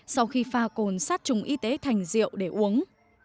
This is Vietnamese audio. sau khi pha cồn sát trùng y tế thành rượu để uống